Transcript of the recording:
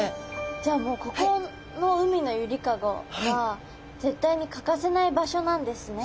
じゃあここの海のゆりかごは絶対に欠かせない場所なんですね。